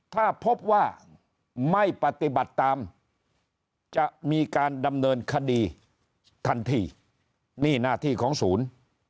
ถ้าพบว่าไม่ปฏิบัติตามจะมีการดำเนินคดีทันทีนี่หน้าที่ของศูนย์